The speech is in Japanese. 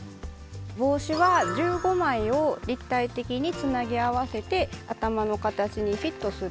帽子は１５枚を立体的につなぎ合わせて頭の形にフィットするように。